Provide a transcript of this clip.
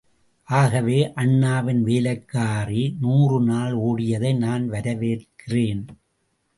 ஆகவே அண்ணாவின் வேலைக்காரி நூறு நாள் ஓடியதை நான் வரவேற்கிறேன்.